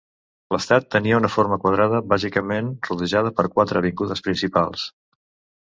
L"estat tenia una forma quadrada bàsicament, rodejada per quatre avingudes principals.